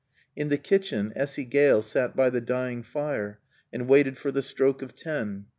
In the kitchen Essy Gale sat by the dying fire and waited for the stroke of ten.